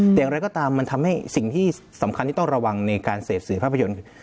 แต่อย่างไรก็ตามมันทำให้สิ่งที่สำคัญที่ต้องระวังในการเสพสื่อภาพยนตร์